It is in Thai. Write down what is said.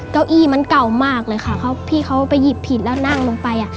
เก้าอี้มันเก่ามากเลยค่ะเขาพี่เขาไปหยิบผิดแล้วนั่งลงไปอ่ะ